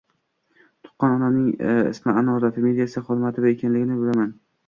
Tuqqan onamning ismi – Anora, familiyasi Xolmatova ekanligini bilaman.